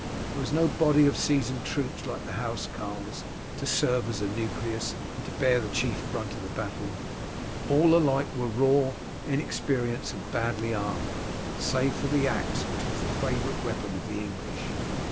There was no body of seasoned troops like the housecarls to serve as a nucleus, and to bear the chief brunt of the battle. All alike were raw, inexperienced, and badly armed, save for the axe, which was the favourite weapon of the English.